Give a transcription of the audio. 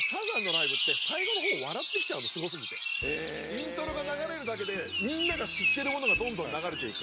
イントロが流れるだけでみんなが知ってるものがどんどん流れていく。